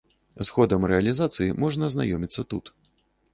З ходам рэалізацыі можна азнаёміцца тут.